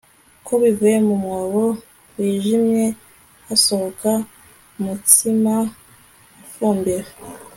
Ko bivuye mu mwobo wijimye hasohoka umutsima ufumbira